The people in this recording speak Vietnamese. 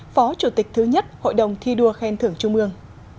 phó chủ tịch thứ nhất hội đồng thi đua khen thưởng trung ương